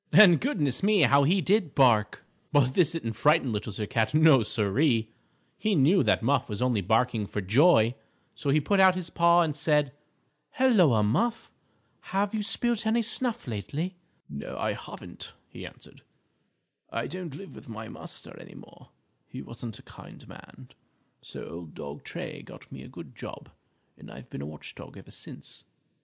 And, goodness me! How he did bark! But this didn't frighten Little Sir Cat. No, Siree. He knew that Muff was only barking for joy. So he put out his paw and said: "Helloa, Muff. Have you spilt any snuff lately?" [Illustration: LITTLE SIR CAT SEES THE COW JUMP OVER THE MOON] "No. I haven't," he answered. "I don't live with my master any more. He wasn't a kind man; so Old Dog Tray got me a good job, and I've been a watch dog ever since."